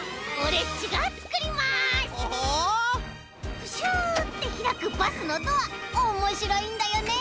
プシュッてひらくバスのドアおもしろいんだよね！